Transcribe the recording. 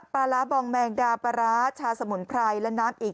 ปลาร้าบองแมงดาปลาร้าชาสมุนไพรและน้ำอีก